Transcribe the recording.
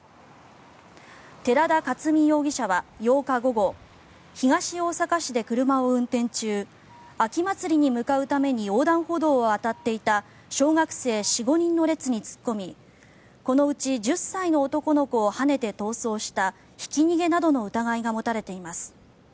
寺田克己容疑者は８日午後東大阪市で車を運転中秋祭りに向かうために横断歩道を渡っていた小学生４５人の列に突っ込みこのうち１０歳の男の子をはねて逃走したひき逃げなどの疑いが持たれています。